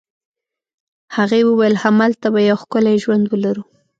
هغې وویل: همالته به یو ښکلی ژوند ولرو.